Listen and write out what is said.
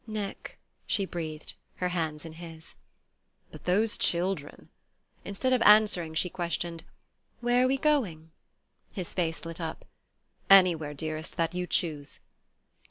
"Nick," she breathed, her hands in his. "But those children " Instead of answering, she questioned: "Where are we going?" His face lit up. "Anywhere, dearest, that you choose."